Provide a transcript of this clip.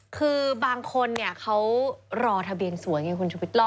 คือบางคนเนี่ยเขารอทะเบียนสวยไงคุณชุวิต